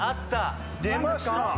出ました。